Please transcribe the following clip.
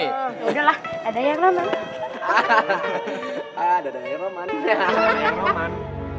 yaudahlah ada yang roman